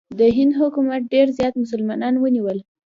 د هند حکومت ډېر زیات مسلمانان ونیول.